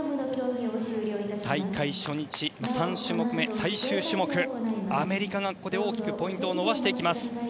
大会初日、３種目目最終種目アメリカが、ここで大きくポイントを伸ばしていきます。